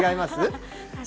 違います？